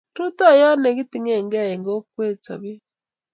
Rutoiyo ne kinetigei eng' kwekeny sobet